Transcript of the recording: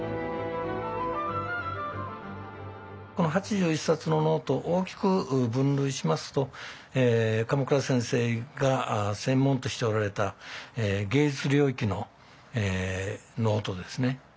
この８１冊のノート大きく分類しますと鎌倉先生が専門としておられた芸術領域のノートですね。